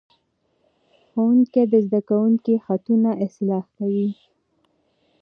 ښوونکي د زده کوونکو خطونه اصلاح کوي.